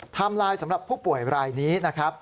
ไทม์ไลน์สำหรับผู้ป่วยรายนี้